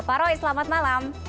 pak roy selamat malam